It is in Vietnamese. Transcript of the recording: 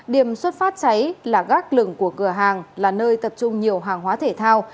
điểm xuất phát cháy là gác lửng của cửa hàng là nơi tập trung nhiều hàng hóa thể thao